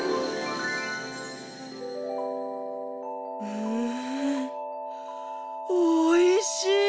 うんおいしい！